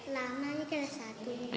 lama ini kelas satu